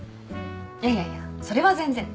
いやいやいやそれは全然。